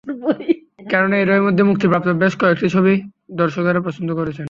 কেননা এরই মধ্যে মুক্তিপ্রাপ্ত বেশ কয়েকটি ছবি দর্শকেরা পছন্দ করেছেন।